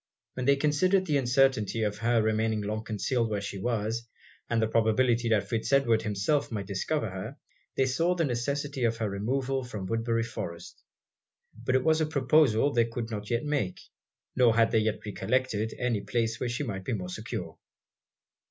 When they considered the uncertainty of her remaining long concealed where she was, and the probability that Fitz Edward himself might discover her, they saw the necessity of her removal from Woodbury Forest. But it was a proposal they could not yet make nor had they yet recollected any place where she might be more secure.